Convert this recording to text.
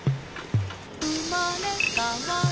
「うまれかわる」